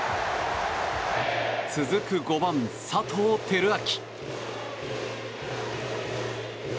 続く５番、佐藤輝明。